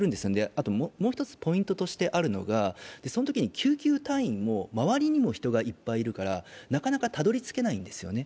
あと、もう一つポイントとしてあるのが、そのとき救急隊員も周りにも人がいっぱいいるからなかなかたどり着けないんですよね。